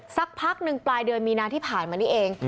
สักพักหนึ่งปลายเดือนมีนาที่ผ่านมานี้เอง